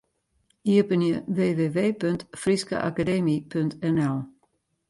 Iepenje www.fryskeakademy.nl.